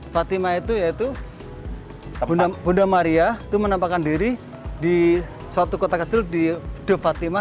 fatima itu yaitu bunda maria itu menampakkan diri di suatu kota kecil di de fatima